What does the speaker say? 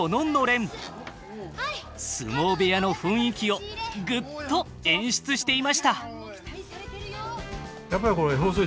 相撲部屋の雰囲気をぐっと演出していました。